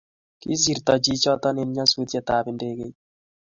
kisirto chichoton en nyasutiet ab ndekeit